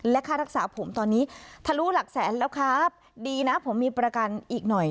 และค่ารักษาผมตอนนี้ทะลุหลักแสนแล้วครับดีนะผมมีประกันอีกหน่อย